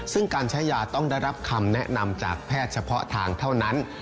ซึ่งการใช้ยาต้องได้รับคำแนะนำจากแพทย์เฉพาะทางเท่านั้น